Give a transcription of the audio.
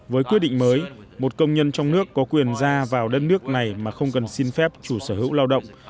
với quyết định mới một công nhân trong nước có quyền ra vào đất nước này mà không cần xin phép chủ sở hữu lao động